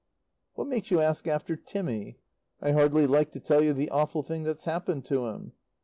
What makes you ask after Timmy? I hardly like to tell you the awful thing that's happened to him.